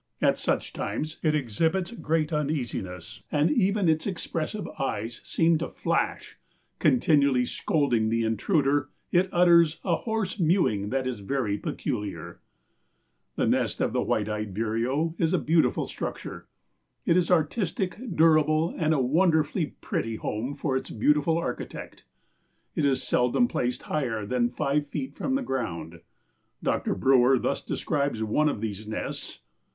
At such times it exhibits great uneasiness, and even its expressive eyes seem to flash. Continually scolding the intruder, it utters "a hoarse mewing that is very peculiar." [Illustration: WHITE EYED VIREO. (Vireo noveboracensis.) About Life size. FROM COL. F. M. WOODRUFF.] The nest of the White eyed Vireo is a beautiful structure. It is artistic, durable and a wonderfully pretty home for its beautiful architect. It is seldom placed higher than five feet from the ground. Dr. Brewer thus describes one of these nests.